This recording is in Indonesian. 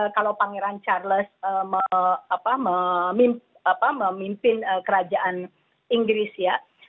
kalau pangeran charles memimpin kerajaan inggris ya